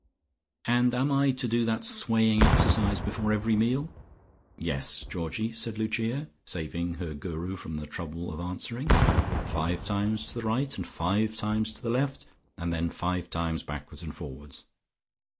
"And am I to do that swaying exercise before every meal?" "Yes, Georgie," said Lucia, saving her Guru from the trouble of answering. "Five times to the right and five times to the left and then five times backwards and forwards.